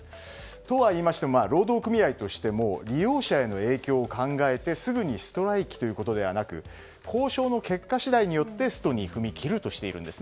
とはいいましても労働組合としても利用者への影響を考えてすぐにストライキということではなく交渉の結果次第によってストに踏み切るとしているんです。